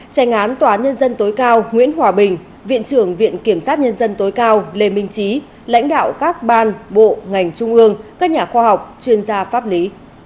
tranh án tòa nhân dân tối cao nguyễn hòa bình viện trưởng viện kiểm sát nhân dân tối cao lê minh trí lãnh đạo các ban bộ ngành trung ương các nhà khoa học chuyên gia pháp lý